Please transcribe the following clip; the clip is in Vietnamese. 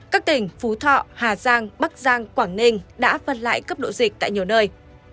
các tỉnh phú thọ hà giang bắc giang quảng ninh đã phân lại cấp độ dịch tại nhiều nơi